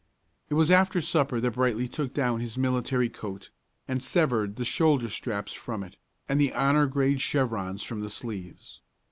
It was after supper that Brightly took down his military coat, and severed the shoulder straps from it, and the honor grade chevrons from the sleeves.